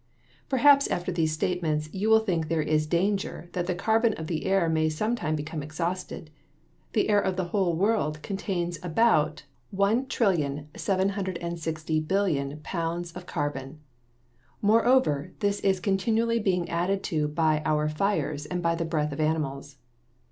Perhaps, after these statements, you may think there is danger that the carbon of the air may sometime become exhausted. The air of the whole world contains about 1,760,000,000,000 pounds of carbon. Moreover, this is continually being added to by our fires and by the breath of animals.